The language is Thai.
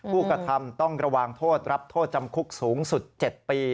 ผู้กระทำต้องระวังโทษรับโทษจำคุกสูงสุด๗ปี